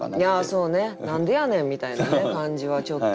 そうね「何でやねん」みたいなね感じはちょっと。